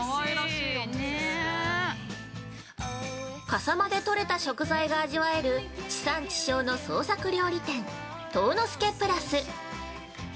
◆笠間でとれた食材が味わえる地産地消の創作料理店陶之助プラス。